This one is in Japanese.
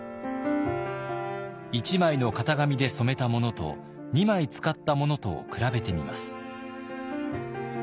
１枚の型紙で染めたものと２枚使ったものとを比べてみます。